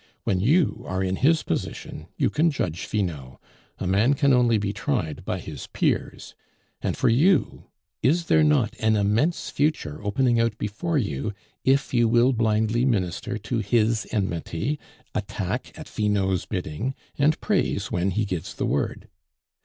When you are in his position, you can judge Finot; a man can only be tried by his peers. And for you, is there not an immense future opening out before you, if you will blindly minister to his enmity, attack at Finot's bidding, and praise when he gives the word?